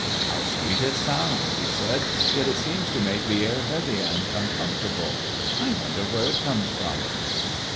"How sweet it sounds!" he said; "yet it seems to make the air heavy and uncomfortable. I wonder where it comes from?"